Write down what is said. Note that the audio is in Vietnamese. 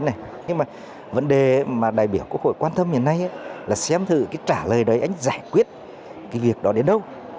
nhưng mà vấn đề mà đại biểu quốc hội quan tâm hiện nay là xem thử trả lời đấy anh giải quyết cái việc đó đến đâu